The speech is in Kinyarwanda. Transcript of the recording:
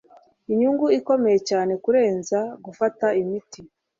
inyungu ikomeye cyane kurenza gufata imiti